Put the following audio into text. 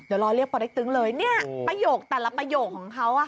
เดี๋ยวรอเรียกปอเล็กตึงเลยเนี่ยประโยคแต่ละประโยคของเขาอ่ะ